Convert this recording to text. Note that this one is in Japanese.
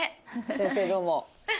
先生どうも。